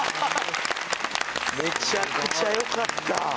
めちゃくちゃよかった。